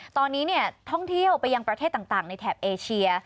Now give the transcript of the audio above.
ตอนนี้ท่องเที่ยวไปยังประเทศต่างในแถบเอเชีย